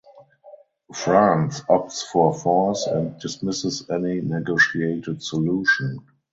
France opts for force and dismisses any negotiated solution.